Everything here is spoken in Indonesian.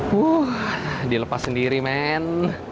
huuuu dilepas sendiri men